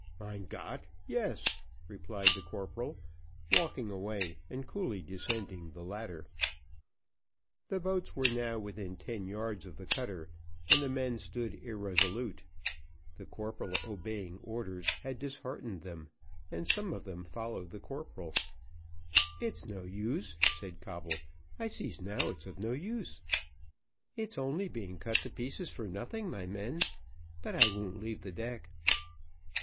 "Mein Gott, yes," replied the corporal, walking away, and coolly descending the ladder. The boats were now within ten yards of the cutter, and the men stood irresolute; the corporal obeying orders had disheartened them: some of them followed the corporal. "It's no use," said Coble, "I sees now it's of no use; it's only being cut to pieces for nothing, my men; but I won't leave the deck."